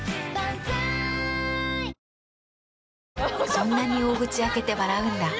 そんなに大口開けて笑うんだ。